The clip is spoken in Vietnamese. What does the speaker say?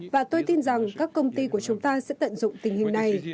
và tôi tin rằng các công ty của chúng ta sẽ tận dụng tình hình này